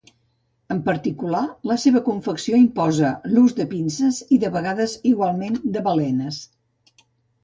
En particular, la seva confecció imposa l'ús de pinces i de vegades igualment de balenes.